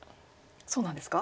そうなんですか？